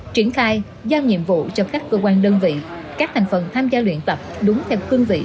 triển khai giao nhiệm vụ cho các cơ quan đơn vị các thành phần tham gia luyện tập đúng theo cương vị